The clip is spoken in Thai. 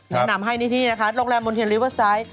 แนะนำให้นิธินะคะโรงแรมมนเทียนลิเวอร์ไซต์